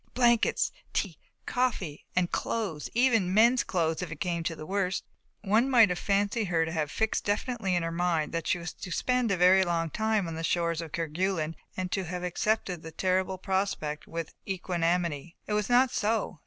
Blankets! Tea! Coffee! and clothes even mens' clothes if it came to the worst. One might have fancied her to have fixed definitely in her mind that she was to spend a very long time on the shores of Kerguelen and to have accepted the terrible prospect with equanimity. It was not so.